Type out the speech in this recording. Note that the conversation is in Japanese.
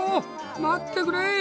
待ってくれ！